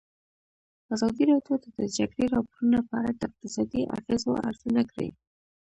ازادي راډیو د د جګړې راپورونه په اړه د اقتصادي اغېزو ارزونه کړې.